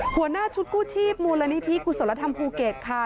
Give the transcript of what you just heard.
หัวหน้าชุดกู้ชีพมูลนิธิกุศลธรรมภูเก็ตค่ะ